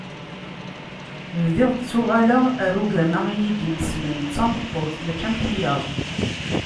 Bdiɣ ttuɣaleɣ ɣer ugama iyi-d-imeslen d tameṭṭut mačči am tiyaḍ.